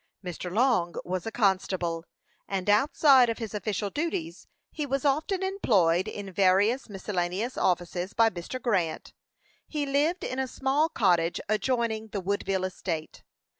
Mr. Long was a constable, and outside of his official duties, he was often employed in various miscellaneous offices by Mr. Grant. He lived in a small cottage adjoining the Woodville estate.